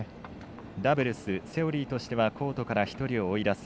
ダブルスセオリーとしてはコートから１人を追い出す。